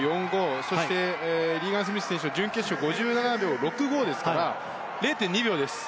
そしてリーガン・スミス選手は準決勝は５７秒６５ですから０．２秒です。